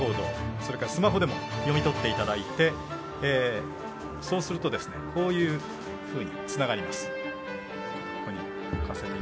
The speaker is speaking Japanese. それからスマホでも読み取っていただいてそうすると、こういうふうにつながります。